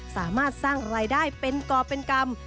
สามารถสร้างรายได้เป็นก่อเป็นกรรม